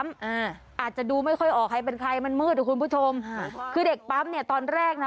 อาจจะดูไม่ค่อยออกใครเป็นใครมันมืดอ่ะคุณผู้ชมค่ะคือเด็กปั๊มเนี่ยตอนแรกนะ